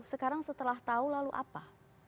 sekarang setelah tahu lalu apa